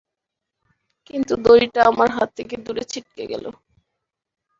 কিন্তু দড়িটা আমার হাত থেকে দূরে ছিটকে গেল।